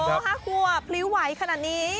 โอ้๕ควบฟลิวไหวขนาดนี้